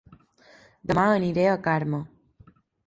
Dema aniré a Carme